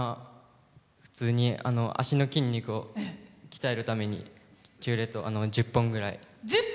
普通に足の筋肉を鍛えるために１０本ぐらい。